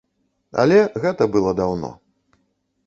Але гэта было даўно.